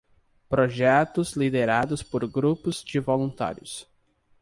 Projetos liderados por grupos de voluntários.